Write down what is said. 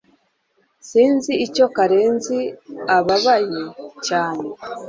Sinzi icyo Karenzi ababaye cyane